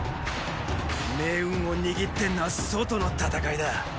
命運を握ってんのは外の戦いだ！